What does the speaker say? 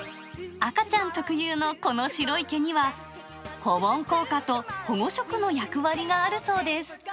赤ちゃん特有のこの白い毛には、保温効果と保護色の役割があるそうです。